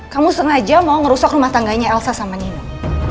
kamu sengaja mau ngerusak rumah tangganya elsa sama nino